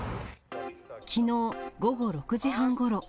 きのう午後６時半ごろ。